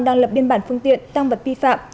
đang lập biên bản phương tiện tăng vật vi phạm